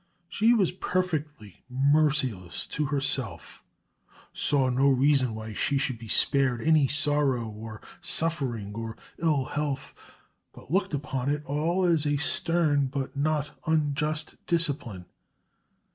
She was perfectly merciless to herself, saw no reason why she should be spared any sorrow or suffering or ill health, but looked upon it all as a stern but not unjust discipline.